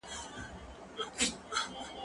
زه کولای سم امادګي ونيسم!.